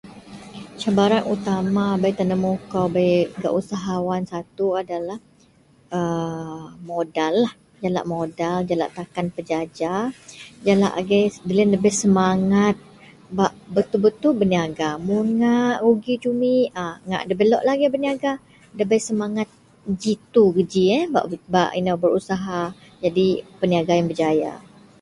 Cabaran utama bei temu kou bei gak usahawan satu adalah modal lah jalak modal jalak takan pejaja jalak agei doloyen dabei semanget bak betul-betul berniaga mun ngak rugi jumit ngak da lok bak berniaga semangat gitu bak berusaha jadi perniaga yang berjaya.